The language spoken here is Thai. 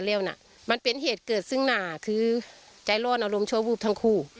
กันเร็วน่ะมันเป็นเหตุเกิดซึ่งน่าคือใจร้อนอารมณ์ชัวร์วูบทั้งคู่